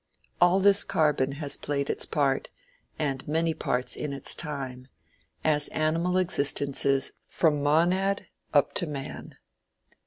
All this carbon has played its part, and many parts in its time, as animal existences from monad up to man.